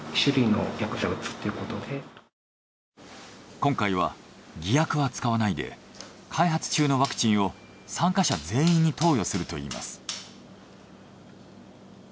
今回は偽薬は使わないで開発中のワクチンを参加者全員に投与するといいます。